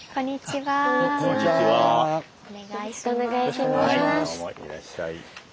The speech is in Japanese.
はいどうもいらっしゃい。